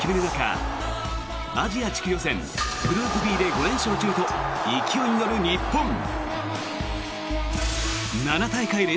中アジア地区予選グループＢで５連勝中と勢いに乗る日本。